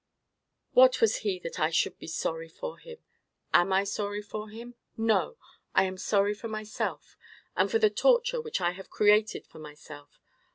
What was he that I should be sorry for him? Am I sorry for him? No! I am sorry for myself, and for the torture which I have created for myself.